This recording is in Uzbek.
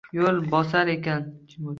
Yo’l bosar ekan